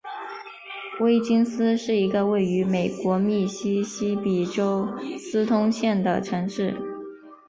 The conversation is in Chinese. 威金斯是一个位于美国密西西比州斯通县的城市。